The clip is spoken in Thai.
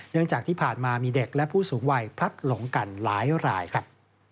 จากที่ผ่านมามีเด็กและผู้สูงวัยพลัดหลงกันหลายรายครับ